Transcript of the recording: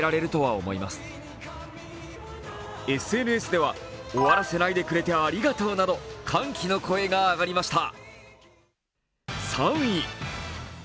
ＳＮＳでは終わらせないでくれてありがとうなど歓喜の声が上がりました。